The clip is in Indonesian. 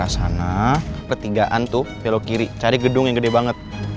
saya bpk cepat